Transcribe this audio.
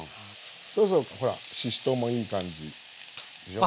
そろそろほらししとうもいい感じでしょ